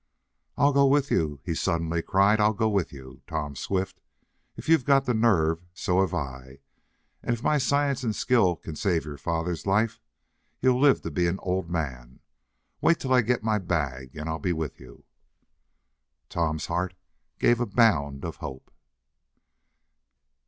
"I'll go with you!" he suddenly cried. "I'll go with you, Tom Swift! If you've got the nerve, so have I! and if my science and skill can save your father's life, he'll live to be an old man! Wait until I get my bag and I'll be with you!" Tom's heart gave a bound of hope.